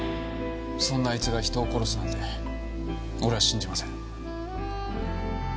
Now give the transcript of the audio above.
そんなあいつが人を殺すなんて俺は信じません。